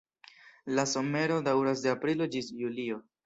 La somero daŭras de aprilo ĝis julio.